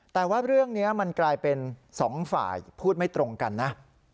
แต่ว่าเรื่องนี้มันกลายเป็นสองฝ่ายพูดไม่ตรงกันนะ